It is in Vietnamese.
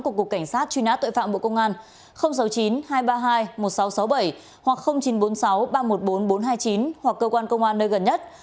của cục cảnh sát truy nã tội phạm bộ công an sáu mươi chín hai trăm ba mươi hai một nghìn sáu trăm sáu mươi bảy hoặc chín trăm bốn mươi sáu ba trăm một mươi bốn nghìn bốn trăm hai mươi chín hoặc cơ quan công an nơi gần nhất